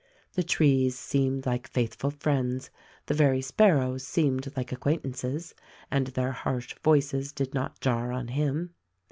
The trees seemed like faithful friends, the very sparrows seemed like acquaintances, and their harsh voices did not jar on him.